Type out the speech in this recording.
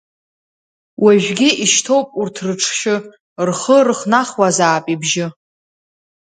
Уажәгьы ишьҭоуп урҭ рыҽшьы Рхы рыхнахуазаап ибжьы.